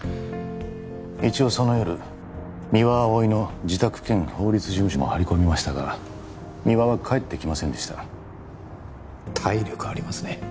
一応その夜三輪碧の自宅兼法律事務所も張り込みましたが三輪は帰ってきませんでした体力ありますね